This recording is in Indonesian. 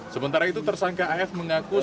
sementara itu tersangka af mengaku